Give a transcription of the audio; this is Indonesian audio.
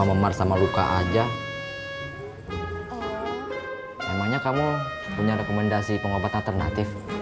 emangnya kamu punya rekomendasi pengobatan alternatif